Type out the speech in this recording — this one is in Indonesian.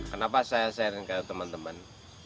kenapa saya sharing ke teman teman